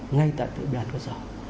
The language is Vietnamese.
ngay tại địa bàn cơ sở